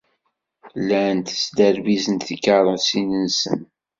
Llant sderbizent tikeṛṛusin-nsent.